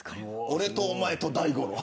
俺とお前と大五郎。